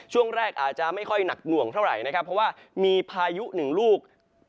ช่วงแรกอาจจะไม่ค่อยหนักหน่วงเท่าไหร่นะครับเพราะว่ามีพายุหนึ่งลูก